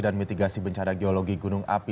dan mitigasi bencana geologi gunung api